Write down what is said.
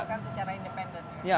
mereka melakukan secara independen ya